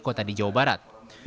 kota di jawa barat